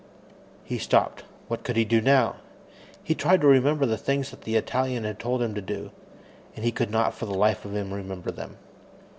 He stopped. What could he do now? He tried to remember the things that the Italian had told him to do, and he could not for the life of him remember them.